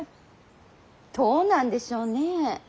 どうなんでしょうね。